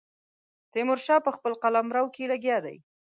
تیمور شاه په خپل قلمرو کې لګیا دی.